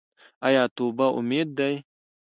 آیا توبه امید دی؟